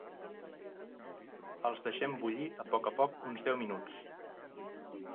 Els deixem bullir a poc a poc uns deu minuts.